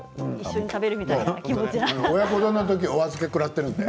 親子丼の時はお預けくらっているので。